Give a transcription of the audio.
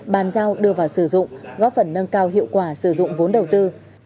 bàn giao đưa vào sử dụng góp phần nâng cao hiệu quả sử dụng vốn đầu tư